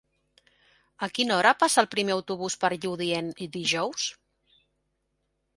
A quina hora passa el primer autobús per Lludient dijous?